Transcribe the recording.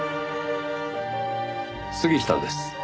杉下です。